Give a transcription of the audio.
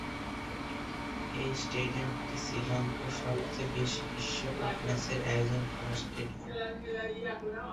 এই স্টেডিয়ামটি শ্রীলঙ্কার সবচেয়ে বেশি বিশ্বকাপ ম্যাচের আয়োজন করা স্টেডিয়াম।